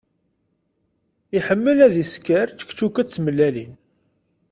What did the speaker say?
Iḥemmel ad isker čekčuka d tmellalin.